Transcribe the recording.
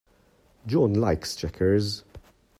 John likes checkers.